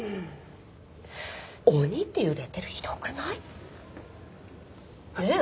鬼っていうレッテルひどくない？ねえ？